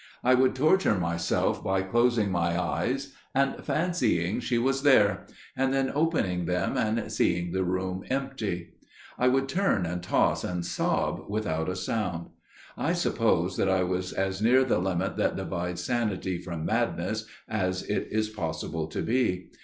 I would torture myself by closing my eyes, and fancying she was there; and then opening them and seeing the room empty. I would turn and toss and sob without a sound. I suppose that I was as near the limit that divides sanity from madness as it is possible to be.